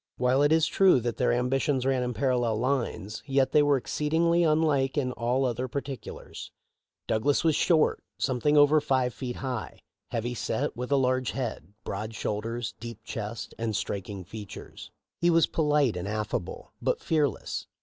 While it is true that their ambitions ran in parallel lines, yet they were exceedingly unlike in all other particulars. * December 3d. 404 THE LIF E OF LINCOLN. Douglas was short, — something over five feet high, — heavy set, with a large head, broad shoulders, deep chest, and striking features. He was polite and affable, but fearless.